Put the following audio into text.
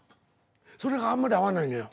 それがあんまり合わないのよ。